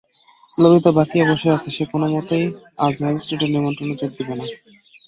ললিতা বাঁকিয়া বসিয়াছে, সে কোনোমতেই আজ ম্যাজিস্ট্রেটের নিমন্ত্রণে যোগ দিবে না।